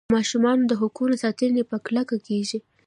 د ماشومانو د حقونو ساتنه په کلکه کیږي.